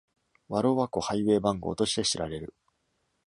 ワローワ湖ハイウェイ番号として知られる。